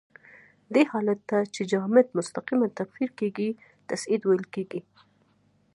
دې حالت ته چې جامد مستقیماً تبخیر کیږي تصعید ویل کیږي.